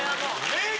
名言！